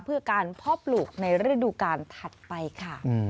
เพื่อการเพาะปลูกในฤดูกาลถัดไปค่ะ